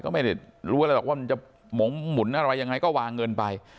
ก็ไม่ได้รู้อะไรหรอกว่ามันจะหมงหมุนอะไรยังไงก็วางเงินไป